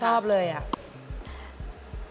ชอบเลยอ่ะ